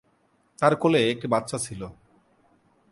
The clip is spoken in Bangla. তার কোলে একটি বাচ্চা ছিল।